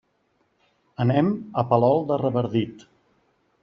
Anem a Palol de Revardit.